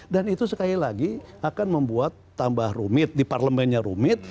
dan itu sekali lagi akan membuat tambah rumit di parlemennya rumit